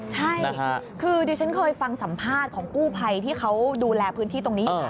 ใช่คือดิฉันเคยฟังสัมภาษณ์ของกู้ภัยที่เขาดูแลพื้นที่ตรงนี้อยู่ค่ะ